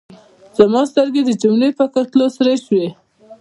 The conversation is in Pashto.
زما سترګې د جملو په کتلو سرې شوې.